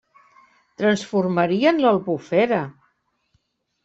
Transformarien l'Albufera!